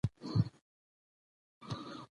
مېلې د خلکو ترمنځ د شوق، خندا او امېد فضا جوړوي.